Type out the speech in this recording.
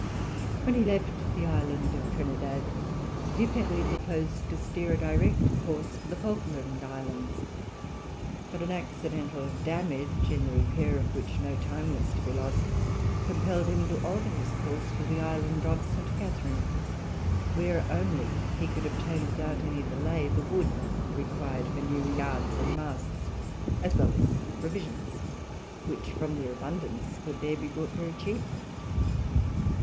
When he left the island of Trinidad, Duperrey purposed to steer a direct course for the Falkland Islands; but an accidental damage, in the repair of which no time was to be lost, compelled him to alter his course for the island of St. Catherine, where only he could obtain without any delay the wood required for new yards and masts, as well as provisions, which from their abundance could there be bought very cheap.